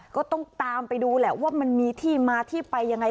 ก็ต้องตามไปดูแหละว่ามันมีที่มาที่ไปยังไง